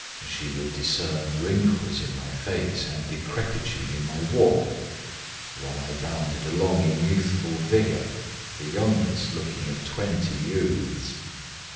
She would discern wrinkles in my face and decrepitude in my walk, while I bounded along in youthful vigour, the youngest looking of twenty youths.